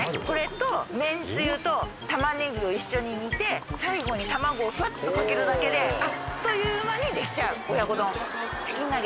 これとめんつゆと玉ねぎを一緒に煮て最後に卵をふわっとかけるだけであっという間にできちゃう親子丼。